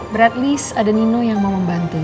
paling tidak ada nino yang mau membantu